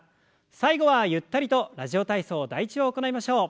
最後はゆったりと「ラジオ体操第１」を行いましょう。